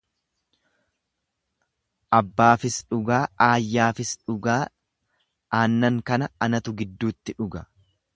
Abbaafis dhugaa, aayyaafis dhugaa aannan kana natu gidduutti dhuga.